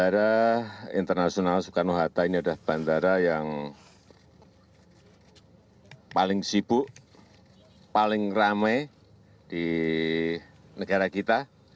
bandara internasional soekarno hatta ini adalah bandara yang paling sibuk paling ramai di negara kita